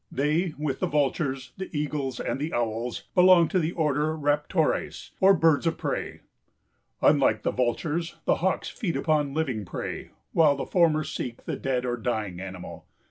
They, with the vultures, the eagles and the owls, belong to the bird order Raptores, or birds of prey. Unlike the vultures the Hawks feed upon living prey while the former seek the dead or dying animal.